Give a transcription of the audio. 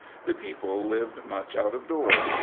The people lived much out of doors.